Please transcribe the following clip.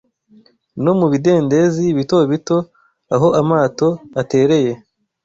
No mubidendezi bitobito aho amato atereye: